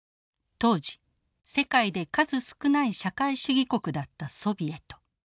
当時世界で数少ない社会主義国だったソビエト。